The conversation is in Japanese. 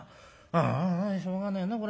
あああしょうがねえなこれ。